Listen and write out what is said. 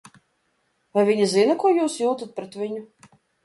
Vai viņa zina, ko jūs jūtat pret viņu?